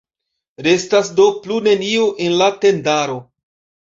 Restas do plu neniu en la tendaro!